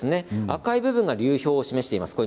赤い部分が流氷を示しています。